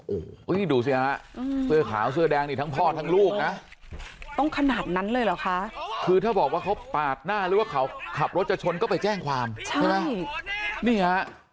โอ้โหดูสิฮะเสื้อขาวเสื้อแดงนี่ทั้งพ่อทั้งลูกนะต้องขนาดนั้นเลยเหรอคะคือถ้าบอกว่าเขาปาดหน้าหรือว่าเขาขับรถจะชนก็ไปแจ้งความใช่ไหมนี่ฮะ